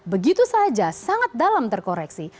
begitu saja sangat dalam terkoreksi